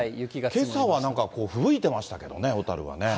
けさはなんか、ふぶいてましたけどね、小樽はね。